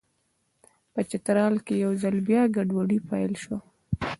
په چترال کې یو ځل بیا ګډوډي پیل شوه.